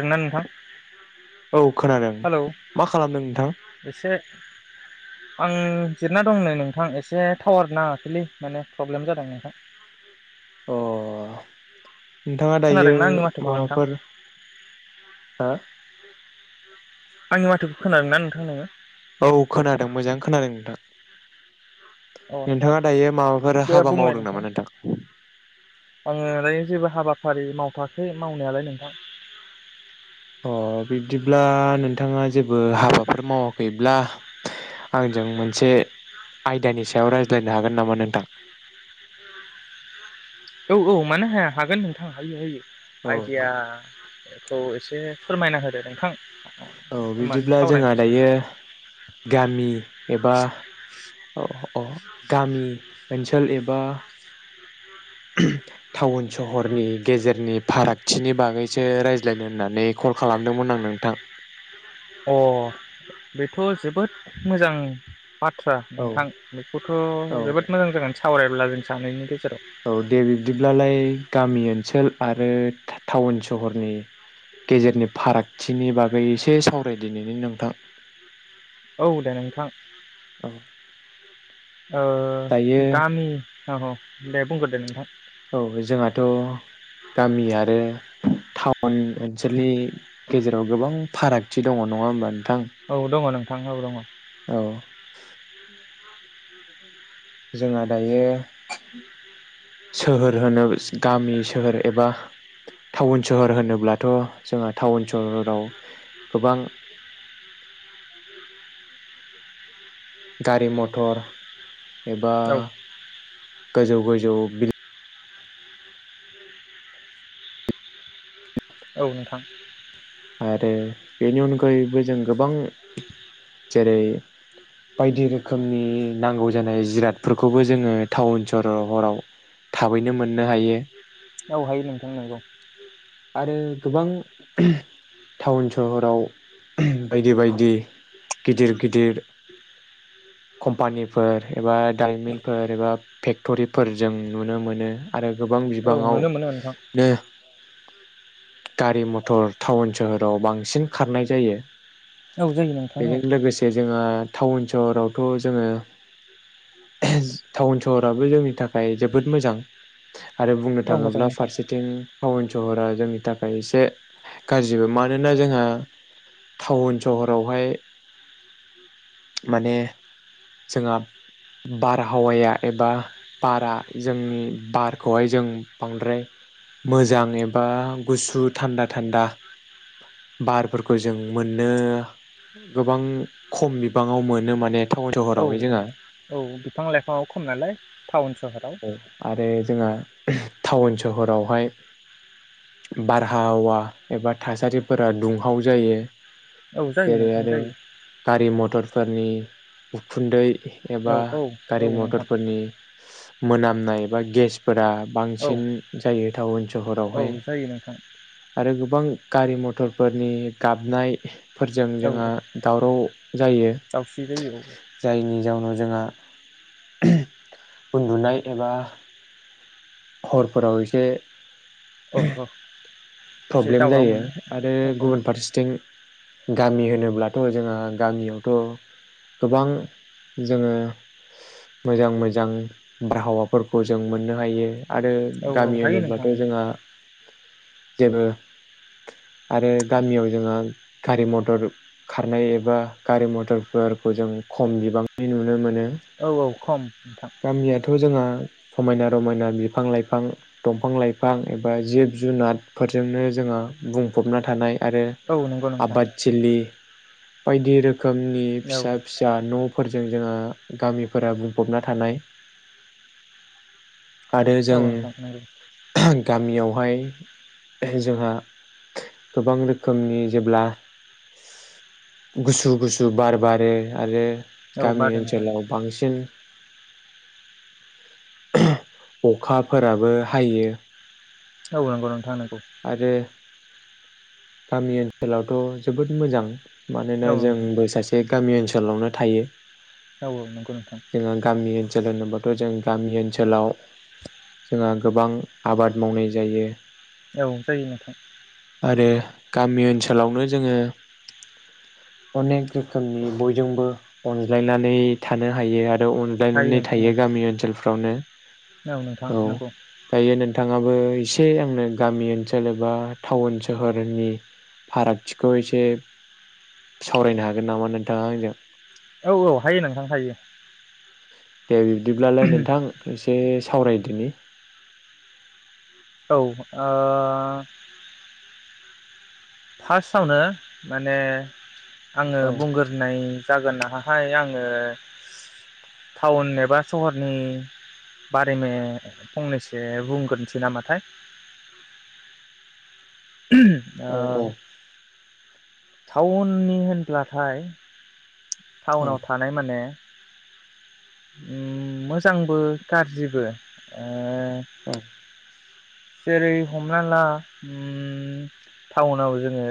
दोंना नोंथां औ खोनादों हेलौ मा खालामदों नोंथां? एसे आं जिरना दं नै नोंथां एसे टावार नाङाखैलै माने प्रब्लेम जादों नोंथां। अ नोंथाङा दायो खोनादोंना आंनि माथोखौ नोंथां माबाफोर हो आंनि माथोखौ खोनादों ना नोंथां नोङो? औ खोनादों मोजां खोनादों नोंथां। औ नोंथां नोंथाङा दायो माबाफोर दे हाबा बुंलाय मावदों नामा नोंथां आङो जेबो हाबाफारि मावथाखै मावनायालाय नोंथां। अ बिब्दिब्ला नोंथाङा जेबो हाबाफोर मावाखैब्ला आंजों मोनसे आयदानि सायाव रायज्लायनो हागोन नामा नोंथां? औ औ मानो हाया हागोन नोंथां हायो हायो। औ आइदाया औ एसे फोरमायना होदो नोंथां। औ होमबानो बिदिब्ला जोंहा सावरायनोसै दायो सानैजों गामि एबा अ गामि ओनसोल एबा टाउन सहरनि गेजेरनि फारागथिनि बागैसो रायज्लायनो होननानै कल खालामदोंमोन आं नोंथां। अ बेथ' जोबोद मोजां। बाथ्रा औ नोंथां बेखौथ' औ जोबोद मोजां जागोन सावराय अला जों सानैनि गेजेराव औ दे बिब्दिब्लालाय गामि ओनसोल आरो टाउन सहरनि गेजेरनि फारागथिनि बागै एसे सावराय दिनैनि नोंथां। औ दे नोंथां। औ ओ दायो गामि हो अ बुंगोरदो नोंथां औ जोंहाथ' गामि आरो टाउन ओनसोलनि गेजेराव गोबां फारागथि दङ नङा होमबा? नोंथां औ दङ नों थांनांगौ दङ औ जोंहा दायो सोहोर होनो गामि सोहोर एबा टाउन सोहोर होनोब्लाथ' जोंहा टाउन सोहोराव गोबां गारि मथर एबा गोजौ गोजौ बि औ नोंथां आरोे बेनि अनगायैबो जों गोबां जेरै बायदि रोखोमनि नांगौ जानाय जिरादफोरखौबो जोङो टाउन सहहराव थाबैनो मोननो हायो औ हायो नोंथां नोंगौ आरो गोबां ओम टाउन सहराव ओम बायदि बायदि गिदिर गिदिर कम्पानिफोर एबा डायमन्डफोर एबा फेक्टरिफोर जों नुनो मोनो आरो गोबां औ बिबाङावनो नुनो मोनो नोंथां गारि मथर टाउन सोहोराव बांसिन खारनाय जायो औ जायो नोंथां औ बेजों लोगोसे जोंहा टाउन सहरावथ' जोङो टाउन सहराबो जोंनि थाखाय जोबोद मोजां आरो बुंनो औ मोजां थाङोब्ला नोंथां फारसेथिं टावन सहरा जोंनि थाखाय एसे गाज्रिबो मानोना जोंहा टाउन सहरावहाय माने जोंहा बारहावाया एबा बारा जोंनि बारखौहाय जों बांद्राय मोजां एबा गुसु थान्दा थान्दा बारफोरखौ जों मोननो गोबां खम बि बिबाङाव मोनो माने थाउन औ सहराव हाय जोंहा औ बिफां लाइफाङाव खम नालाय टावनस औ आरो जोंहा टाउन सहरावहाय बारहावा एबा थासारिफोरा दुंहाव जायो औ जायो जेरै नोंथां आरो जायो गारि मथर फोरारनि उखुन्दै एबा औ औ औ गारि नोंथां मटरफोरनि मोनामनाय एबा गेसफोरा औ बांसिन जायो टाउन औ सहरावहाय जायो नोंथां आरो गोबां गारि मथरफोरनि गाबनाय फोरजों औ जोंहा दावराव जायो दाउस्रि जायो औ जायनि जाउनाव जोंहा उन्दुनाय एबा हरफोराव एसे औ औ एसे प्रब्लेम दावराव जायो मोनो आरो औ औ गुबुन फारसेथिं गामि होनोब्लाथ' जोंंहा गामियावथ' गोबां जोंङो मोजां मोजां बारहावाफोरखौ जों मोननो हायो । आरो औ औ गामि हायो नोंथां होनोब्लाथ' जोंहा जेबो आरो गामियाव जोंहा गारि मटर खारनाय एबा गारि मथरफोरखौ जों खम बिबांनि नुनो मोनो औ औ खम नोंथां । गामियाथ' जोंहा समायना रमायना बिफां-लाइफां दंफां-लाइफां एबा जिब जुनार फोरजोंनो जोंङो बुंफबना थानाय आरो औ नंगौ नोंथां आबाद थिलि बायदि रो खोमनि औ फिसा फिसा न'फोर जों जोंहा गामिफोरा बुंफबना थानाय आरो जों औ नोंथां नंगौ गामियाव फाय जोंहा गोबां रोखोमनि जेब्ला गुसु गुसु बार बारो आरो औ गामि बादो नोंथां ओनसोलाव बांसिन अखाफोराबो हायो। औ नंगौ नों थां । आरो गामि ओनसोलावथ' जोबोद मोजां। औ मानोना नोंथां जोंबो सासे गामि ओनसोल। ओनसोलावनो थायो। औ औ नंगौ नोंथां। जोंहा गामि ओनसोल होनोब्लााथ' जों गामि ओनसोलाव जोंहा गोबां आबाद मावनाय जायो। औ जायो नाथाय आरो गामि ओनसोलावनो जोङो अनेक रोखोमनि बयजोंबो अनज्लायनानै थानो हायो आरो । बेयाव हायो अनलायनानै नोंथां थायो गामि ओनसोलफ्रावनो औ नोंथां औ नंगौ दायो नोंथाङाबो एसे आंनो गामि ओनसोल एबा टाउन सोहोरनि फारागथिखौ एसे सावरायनो हागोन नामा नोंथाङा आंजों? औ औ हायो नोंथां हायो। दे बिब्दिब्लालाय नोंथां एसे एसे सावरायदिनि। औ ओ। फार्स्टआवनो माने आङो औ बुंगोरनाय जागोन नामाहाय आङो टाउन एबा सहरनि बारैनो फंनैसो बुंग्रोनसै नामाथाय? अ। औ औ टाउननि होनब्लाथाय औ टाउनाव थानाय माने मोजांबो गाजाज्रिबो। ए। औ जेरै हमना ला टाउनाव जोङो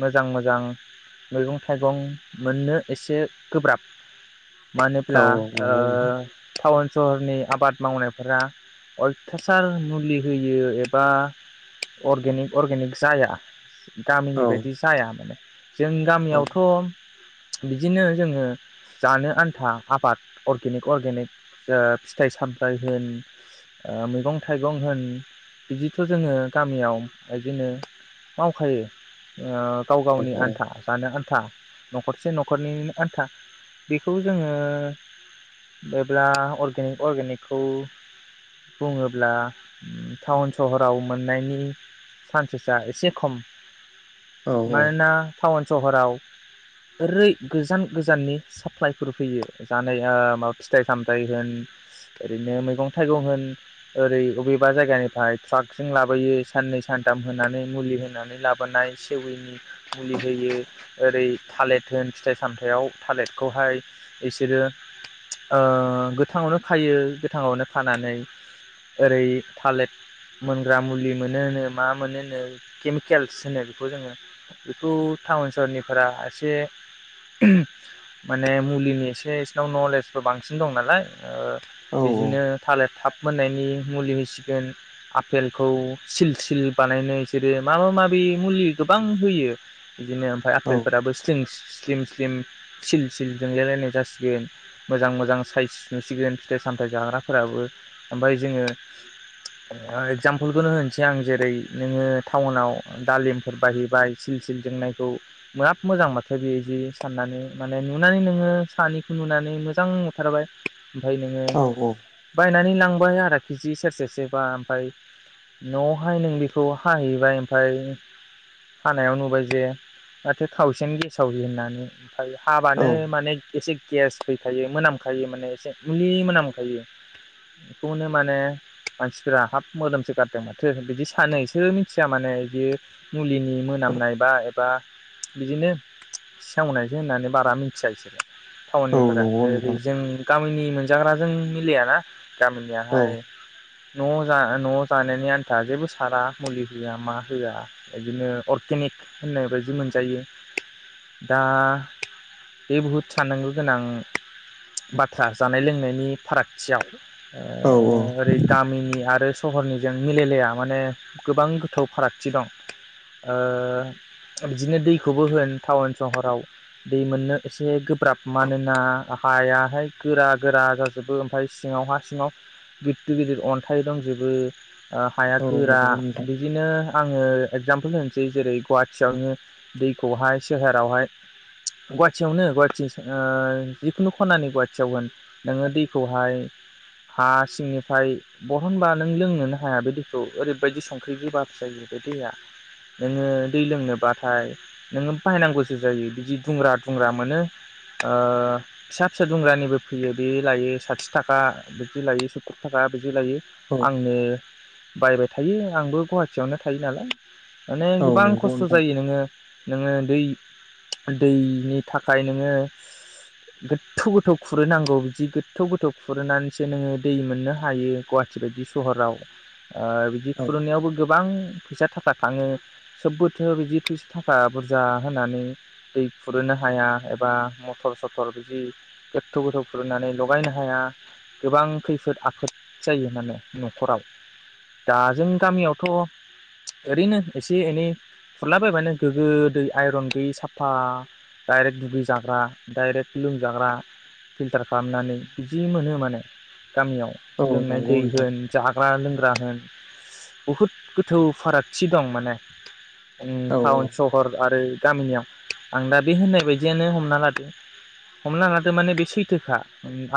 मोजां मोजां मैगं थाइगं मोननो एसे गोब्राब। औ मानोब्ला नंगौ नोंथां ओ सहरनि आबाद मावनायफोरा अलथा हासार मुलि होयो एबा अरगेनिक अर्गेनिक जाया। गामिनि औ बायदि जाया माने। जों औ गामियावथ' बिदिनो जोङो जानो आन्था आबाद अरगेनिक अरगेनिक फिथाइ सामथाइ होन मैगं। थाइगं होन बिदिथ' जोङो गामियाव बिदिनो मावखायो। गाव औ गावनि औ आन्था जानो [unintelligible] थ न'खसे न'खरनि आन्था बेखौ जोङो बेब्ला अेनिक अगेनिकखौ बुङो। अब्ला टाउन सहराव मोननायनि सान्सेसा एसे खम। औ मानोना टावोन सहराव ओरै गोजान गोजाननि साप्लायफोर फैयो जानाय माबा फिथाइ सामथाइ होन ओरैनो मैगं थाइगं होन। ओरै बबेबा जायगानिफ्राय ट्राकजों लाबोयो साननै सानथाम होनानै मुलि होनानै लाबोनाय सेविनि मुलि होयो ओरै थालिर होन फिथाइ सामथायाइाव थालिरखौहाय बिसोरो ओ गोथाङावनो फायो गोथांवनो खानानै। ओरै थालिर मोनग्रा मुलि मोनो नो मा मोनो नो केमिकेल्स होनो बेखौ जोङो बेखौ टाउन सहरनिफोरा एसे माने मुलिनि एसे बिसिनाव नलेजबो बांसिन दं नालाय। औ बिदिनो थालिर थाब मोननायनि मुलि होसिगोन आफेलखौ सिल सिल बानायनो बिसोरो माबा माबि मुलि गोबां होयो। बिदिनो ओमफ्राय आफपेलफोराबो स्लिंस स्लिम स्लिम थिल सिलजों जोलायलायनाय जासिगोन मोजां मोजां साइज नुसिगोन फिथाइ सामथायाइ जाग्राफोराबो ओमफाय जोङो। ओ एक्जामपोलखौनो होनोसै आं जेरै नोङो टाउनाव दालिमफोर बाहैबाय सिल सिल जोंनायखौ बिराद मोजां मोनबाय साननानै माने नुनानै नोङो सानैखौ नुनानै मोजां बुथारबाय। ओमफ्राय नोङो औ नंगौ बायनानै लां [unintelligible] केिजि सेर सेरसे बा ओमफ्राय न'आवहाय नों बेखौ हाहैबाय ओमफ्राय हानायाव नुबाय जे माथो खावसेन गेसावि होननानै हाबानो माने एसे गेस फैखायो मोनामखायो माने एसे मुलि मोनामखायो बेखौनो माने मानसिफोरा हाब मोदोमसो गारदों माथो बिदि सानो बिसोरो मिथिया माने बिदि मुलिनि मोनामनाय बा एबा बिदिनो सावनायसो होननानै बारा मिथिया बिसोरो टाउननिफोरा ओरै नोंथां जों गामिनि मोनजाग्राजों मिलायाना गामिनिया। औ हाय न' जा न' जानायनि आन्था जेबो सारा मुलि होआ मा होआ बिदिनो अरगेनिक होननाय बायदि मोनजायो दा बे बहुद साननांगौ गोनां बाथ्रा जानाय लोंनायनि फारागथियाव ओ औ ओरै टामिनि आरो सहरनिजों मिेलेलाया माने गोबां गोथौ फारागथि दं ओ बिदिनो दैखौबो होन टाउन सहराव दै मोननो एसे गोब्राब मानोना हायाहाया गोरा गोरा जाजोबो ओमफ्राय सिङाव हा सिङाव गिदिर गिदिर अन्थाइ दंजोबो। ओ हाया औ गोरा नंगौ नोंथां बिदिनो आङो एक्जाम होनोसै जेरै गुवाहाटिीयावनो दैखौहाय सोहोरावहाय गुवाहाटियावनो गुवाहटि ओ जिखुनु खनानि गुवाहाटियाव होन नोङो दैखौहाय हा सिंनिफ्राय बहनबा नों लोंनोनो हाया बे दैखौ ओरैबायदि संख्रि गोबाब बे दैया नोङो दै लोंनोबाथाय नोङो बायनांगौसो जायो बिदि दुंग्रा दुंग्रा मोनो ओ फिसा फिसा दुंग्रानिबो फैयो बे लायो साथि थाखा बिदि लायो सु्तुरर थाखा [unintelligible] बिदि लायो औ आंनो बायबाय थायो आंबो गुवाहाटियावनो थायो नालाय। माने औ गोबां नंगौ खस्थ' नोंथां जायो नोङो। नोङो दै दैनि थाखाय नोङो गोथौ गोथौ खुरोनांगौ बिदि गोथौ गोथौ खुरोनानै नोङो दै मोननो हायो गुवाहाटि बायदि सहराव। ओ बिदि औ खुरुनायावबो गोबां फैसा थाखा थाङो सोबबोथो' बिदि फैसा थाखा बुरजा होनानै दै कुरहोनो हाया एबा मटर सटर बिदि गोथौ गोथौ कुरहोनानै लगायनो हाया। गोबां खैफोद आफोद जायो माने न'खराव दा जों गामियावथ' ओरैनो एसे एनै खुरलाबायबानो गोगो दै आइरन गैयै साफा दडायरेक्ट दुगै जाग्रा दडायरेक्ट लोंजाग्रा फिल्टार खालामनानै बिदि मोनो माने। [inaudible] गामियाव औ लोंनाय नंगौ दै नोंथां होन जाग जाग्रा लोंग्रा होन बुहुद गोथौ फारागथि दं माने औ टाउन सहर आरो गामिनियाव आं दा बे होननाय बायदियानो हमना लाद हमना लाद माने बे सैथोखा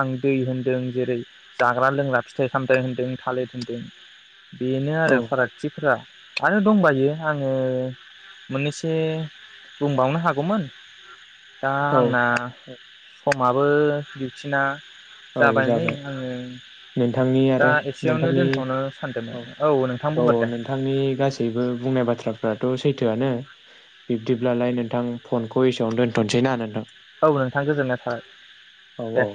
आं दै होनदों। जेरै जाग्रा लोंग्रा फिथाइ सामथायाइ होनदों थालिर होनदों। बेनो आरो फारागथिफोरा। आरो दंबायो आङो मोननैसो बुंबावनो हागौमोन। दा औ औ आंना औ माबो दिउथिना औ। नै जाबाय आङो नोंथांनि दा आरो एसेयावनो नोंथांनि दोनथ'नो सानदोंमोन औ नोंथां औ औ बुंग्रोदो नोंथांनि गासैबो बुंनाय बाथ्राफोरा औ सैथोआनो बिब्दिब्लालाय नोंथां फनखौ एसेयावनो दोन्थ'नोसैनाा नोंथां? औ नोंथां गोजोननाय थाबाय औ दे। औ